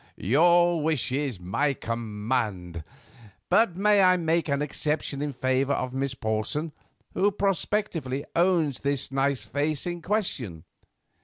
"Your wish is a command; but may I make an exception in favour of Miss Porson, who prospectively owns the nice face in question?